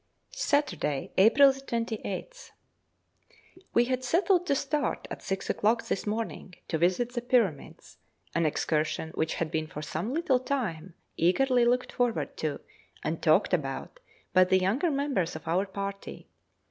Saturday, April 28th. We had settled to start at six o'clock this morning to visit the Pyramids, an excursion which had been for some little time eagerly looked forward to and talked about by the younger members of our party.